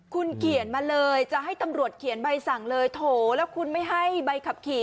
คุณเขียนมาเลยจะให้ตำรวจเขียนใบสั่งเลยโถแล้วคุณไม่ให้ใบขับขี่